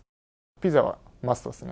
ピザはマストですね。